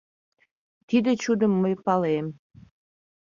Тиде чудым мый палем;